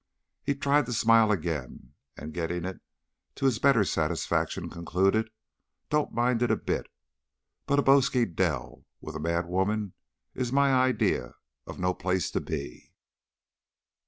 He tried the smile again, and, getting it to his better satisfaction, concluded "don't mind it a bit, but a bosky dell with a mad woman is my idea of no place to be."